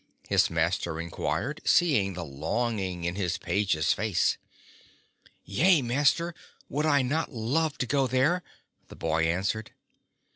his master inquired, seeing the longing in his page's face. "Yea, master, would I not love to go there!" the boy an swered..